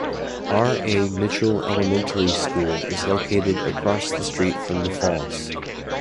R. A. Mitchell Elementary School is located across the street from the falls.